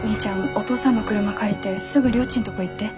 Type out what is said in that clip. お父さんの車借りてすぐりょーちんとこ行って。